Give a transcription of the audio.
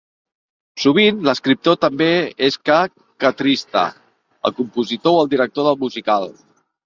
Sovint, l'escriptor també és ek kketrista, el compositor o el director del musical.